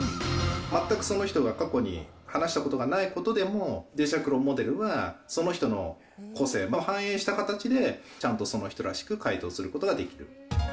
全くその人が過去に話したことがないことでもデジタルクローンモデルは、その人の個性を反映した形で、ちゃんとその人らしく回答することができる。